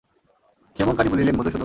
ক্ষেমংকরী বলিলেন, মধুসূদন!